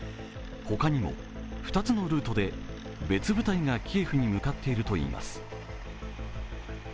他にも２つのルートで別部隊がキエフに向かっているといいます。